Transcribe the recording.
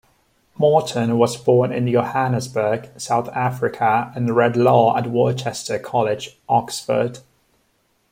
Morton was born in Johannesburg, South Africa, and read law at Worcester College, Oxford.